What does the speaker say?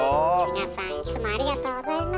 皆さんいつもありがとうございます。